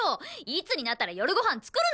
いつになったら夜ごはん作るのよ！